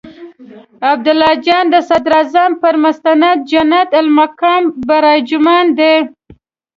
عبدالله جان د صدراعظم پر مسند جنت المقام براجمان دی.